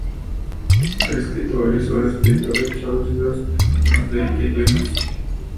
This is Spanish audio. Ha escrito varias obras espirituales, traducidas a más de veinte idiomas.